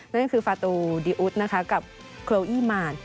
นั่นก็คือฟาตูดิอุ๊ดกับโคลอี้มาน